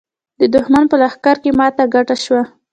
د دښمن په لښکر کې ماته ګډه شوه.